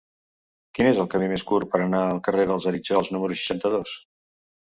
Quin és el camí més curt per anar al carrer dels Arítjols número seixanta-dos?